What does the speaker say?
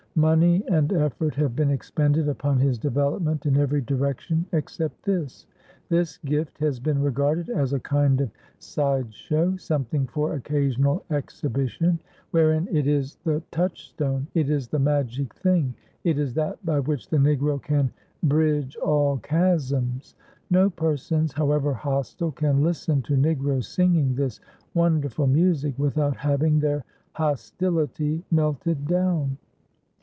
Money and effort have been expended upon his development in every direction except this. This gift has been regarded as a kind of side show, something for occasional exhibition; wherein it is the touchstone, it is the magic thing, it is that by which the Negro can bridge all chasms. No persons, however hostile, can listen to Negroes singing this wonderful music without having their hostility melted down.